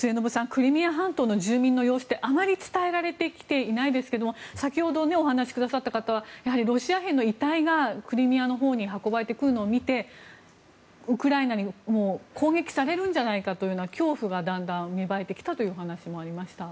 クリミア半島の住民の様子ってあまり伝えられてきていないですが先ほどお話しくださった方はやはりロシア兵の遺体がクリミアのほうに運ばれてくるのを見てウクライナに攻撃されるんじゃないかという恐怖がだんだん芽生えてきたという話もありました。